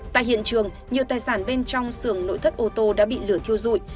tại hiện trường nhiều tài sản bên trong sườn nội thất ô tô đã bị lửa thiêu dụi